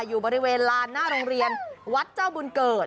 อยู่บริเวณลานหน้าโรงเรียนวัดเจ้าบุญเกิด